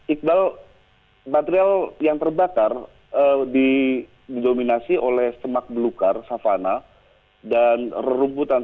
iqbal material yang terbakar didominasi oleh semak belukar savana dan rumputan